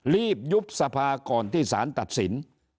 ยุบสภาก่อนที่สารตัดสิน